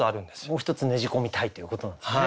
もう１つねじ込みたいということなんですね。